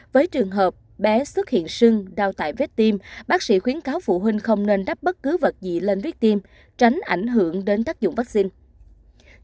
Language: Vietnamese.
với trường hợp bé xuất hiện sưng đau tại vết tim bác sĩ khuyến cáo phụ huynh không nên đắp bất cứ vật gì lên riết tiêm tránh ảnh hưởng đến tác dụng vaccine